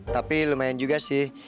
tapi lumayan juga sih